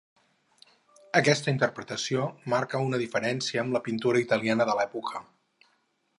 Aquesta interpretació marca una diferència amb la pintura italiana de l'època.